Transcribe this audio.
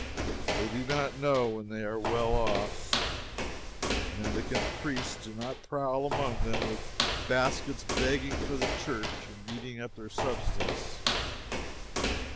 They do not know when they are well off. Mendicant priests do not prowl among them with baskets begging for the church and eating up their substance.